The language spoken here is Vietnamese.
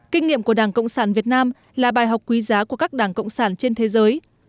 kinh nghiệm của đảng cộng sản việt nam là bài học quý giá của các đảng cộng sản trên thế giới